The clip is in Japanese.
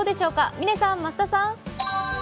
嶺さん、増田さん。